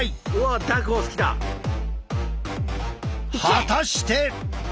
果たして。